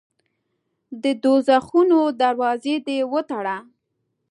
د دوږخونو دروازې دي وتړه.